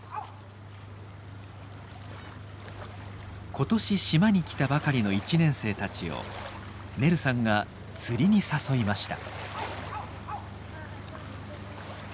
今年島に来たばかりの１年生たちをねるさんが釣りに誘いました。